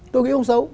tôi nghĩ không xấu